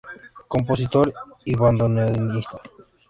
Compositor y Bandoneonista.